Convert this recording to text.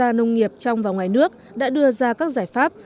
các chuyên gia nông nghiệp trong và ngoài nước đã đưa ra các giải pháp